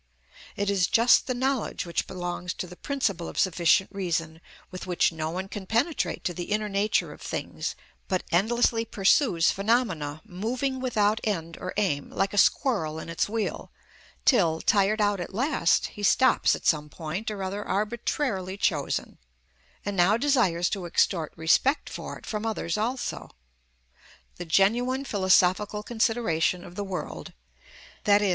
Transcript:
It is just the knowledge which belongs to the principle of sufficient reason, with which no one can penetrate to the inner nature of things, but endlessly pursues phenomena, moving without end or aim, like a squirrel in its wheel, till, tired out at last, he stops at some point or other arbitrarily chosen, and now desires to extort respect for it from others also. The genuine philosophical consideration of the world, _i.e.